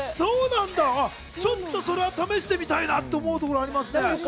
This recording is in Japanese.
ちょっと試してみたいなというところはありますね。